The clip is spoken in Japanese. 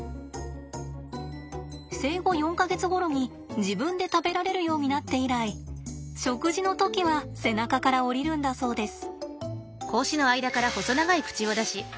生後４か月ごろに自分で食べられるようになって以来食事の時は背中から下りるんだそうです。